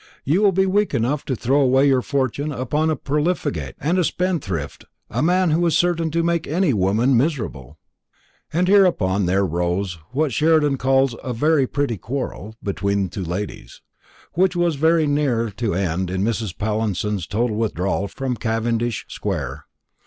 You will be weak enough to throw away your fortune upon a profligate and a spendthrift, a man who is certain to make any woman miserable." And hereupon there arose what Sheridan calls "a very pretty quarrel" between the two ladies, which went very near to end in Mrs. Pallinson's total withdrawal from Cavendish square.